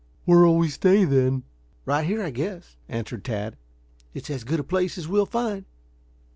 "Where'll we stay, then?" "Right here, I guess," answered Tad. "It's as good a place as we'll find."